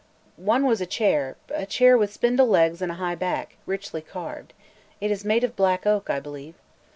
"One was a chair; a chair with spindle legs and a high back, richly carved. It is made of black oak, I believe."